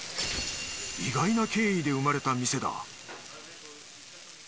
意外な経緯で生まれた店だ